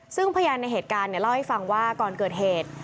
ซึ่งพยานในเหตุการณ์เล่าให้ฟังว่าก่อนเกิดเหตุ